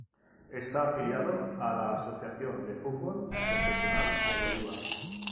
Está afiliado a la Asociación de Fútbol Profesional de Bolívar.